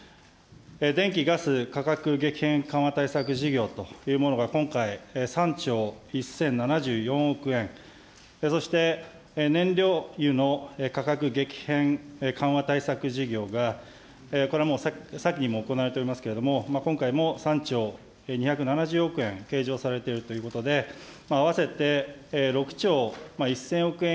電気ガス価格激変緩和対策事業というものが今回、３兆１０７４億円、そして燃料油の価格激変緩和対策事業が、これはもうさきにも行われておりますけれども、今回も３兆２７０億円、計上されているということで、合わせて６兆１０００億円